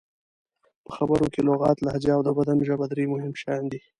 په خبرو کې لغت، لهجه او د بدن ژبه درې مهم شیان دي.